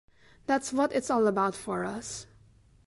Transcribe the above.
That's what it's all about for us.